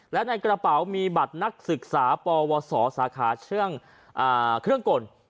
และในกระเป๋ามีบัตรนักศึกษาปวศสาขาเครื่องก่น